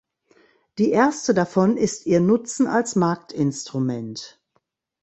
Die erste davon ist ihr Nutzen als Marktinstrument.